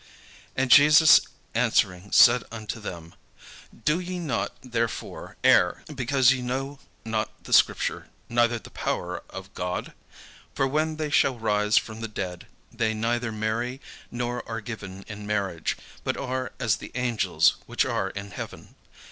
And Jesus answering said unto them, "Do ye not therefore err, because ye know not the scriptures, neither the power of God? For when they shall rise from the dead, they neither marry, nor are given in marriage; but are as the angels which are in heaven.